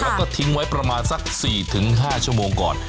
แล้วก็ทิ้งไว้ประมาณสัก๔๕ชั่วโมงก่อน